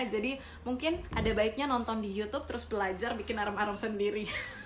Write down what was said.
jadi mungkin ada baiknya nonton di youtube terus belajar bikin arem arem sendiri